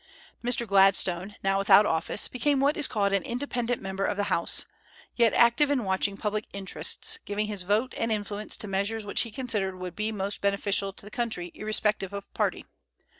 Mr. Gladstone, now without office, became what is called an independent member of the House, yet active in watching public interests, giving his vote and influence to measures which he considered would be most beneficial to the country irrespective of party.